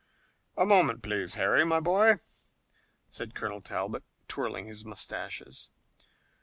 "A moment, please, Harry, my boy," said Colonel Talbot, twirling his mustaches.